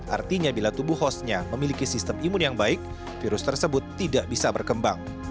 artinya bila tubuh hostnya memiliki sistem imun yang baik virus tersebut tidak bisa berkembang